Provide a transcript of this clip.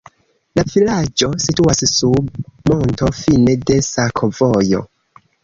La vilaĝo situas sub monto, fine de sakovojo.